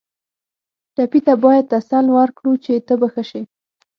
ټپي ته باید تسل ورکړو چې ته به ښه شې.